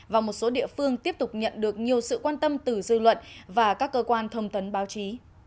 và một số địa phương tiếp tục nhận được nhiều sự quan tâm từ dư luận và các cơ quan thông tấn báo chí